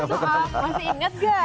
itu masih inget gak